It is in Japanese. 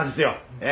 ええ。